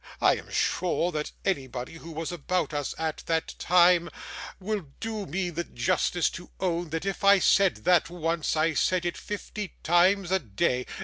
I am sure that anybody who was about us at that time, will do me the justice to own, that if I said that once, I said it fifty times a day.